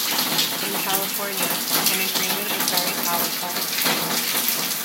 In California, an agreement is very powerful.